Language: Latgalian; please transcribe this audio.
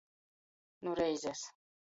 Nu reizes.